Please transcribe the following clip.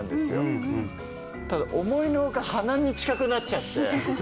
ただ思いの外鼻に近くなっちゃって。